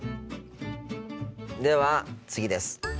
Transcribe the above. では次です。